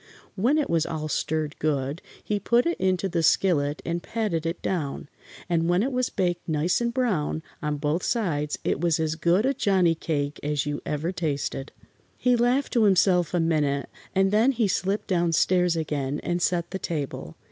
When it was all stirred good he put it into the skillet and patted it down, and when it was baked nice and brown on both sides it was as good a Johnnie cake as you ever tasted. He laughed to himself a minute and then he slipped down stairs again and set the table.